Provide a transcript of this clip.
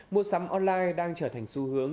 mua sắm online đang trở thành xu hướng